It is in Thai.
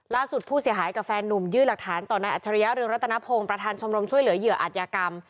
ผู้เสียหายกับแฟนนุ่มยื่นหลักฐานต่อนายอัจฉริยะเรืองรัตนพงศ์ประธานชมรมช่วยเหลือเหยื่ออัธยากรรม